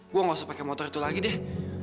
gue gak usah pakai motor itu lagi deh